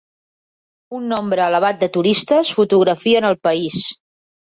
Un nombre elevat de turistes fotografien el país.